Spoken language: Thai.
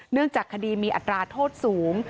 เนื่องจากคดีมีอัตราโทษสูง